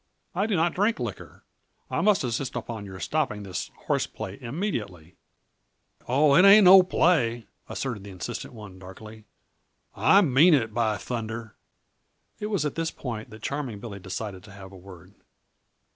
"I do not drink liquor. I must insist upon your stopping this horseplay immediately!" "Oh, it ain't no play," asserted the insistent one darkly. "I mean it, by thunder." It was at this point that Charming Billy decided to have a word.